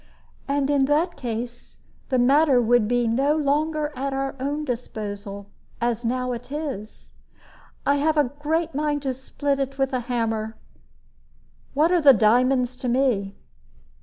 And in that case the matter would be no longer at our own disposal, as now it is. I have a great mind to split it with a hammer. What are the diamonds to me?"